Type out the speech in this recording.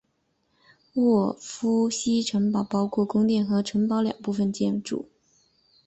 沃夫西城堡包括宫殿和城堡两部分建筑。